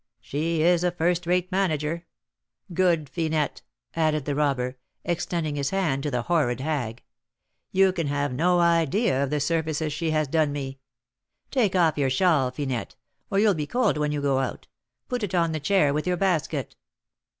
She is a first rate manager. Good Finette!" added the robber, extending his hand to the horrid hag. "You can have no idea of the services she has done me. Take off your shawl, Finette, or you'll be cold when you go out; put it on the chair with your basket."